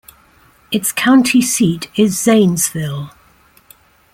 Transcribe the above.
Its county seat is Zanesville.